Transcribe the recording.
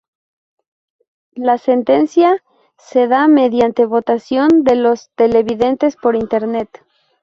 La sentencia se da mediante votación de los televidentes por Internet.